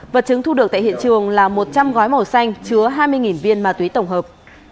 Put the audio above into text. vật chứng thu được tại hiện trường là một trăm linh gói màu xanh chứa hai mươi viên ma túy tổng hợp